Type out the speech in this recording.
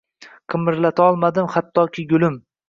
Qimirlatolmadim hattoki, gulim